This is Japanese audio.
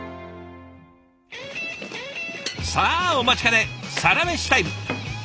さあお待ちかねサラメシタイム。